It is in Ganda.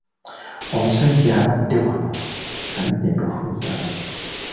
Omusajja abadde wano alidde empafu zange.